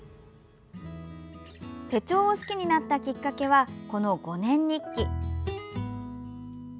手帳を好きになったきっかけはこの５年日記。